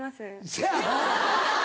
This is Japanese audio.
せやろ。